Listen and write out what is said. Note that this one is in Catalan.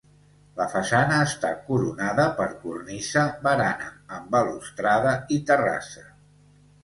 La façana està coronada per cornisa, barana amb balustrada i terrassa.